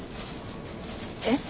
えっ？